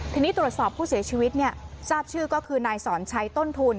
ทีนี้ตรวจสอบผู้เสียชีวิตทราบชื่อก็คือนายสอนชัยต้นทุน